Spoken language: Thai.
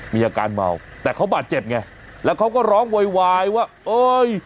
มีอาการเมาแต่เขาบาดเจ็บไงแล้วเขาก็ร้องโวยวายว่าเอ้ย